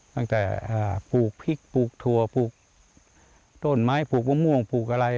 ปลูกพริกปลูกถั่วปลูกต้นไม้ปลูกมะม่วงปลูกอะไร